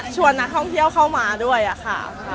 ชวนนักท่องเที่ยวเข้ามาด้วยอ่ะค่ะขอบพอค่ะขอบพอค่ะ